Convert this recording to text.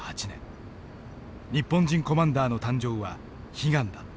日本人コマンダーの誕生は悲願だった。